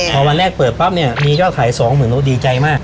พอวันแรกเปิดปั๊บเนี่ยมียอดขายสองหมื่นเราดีใจมาก